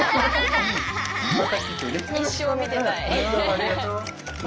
ありがとう。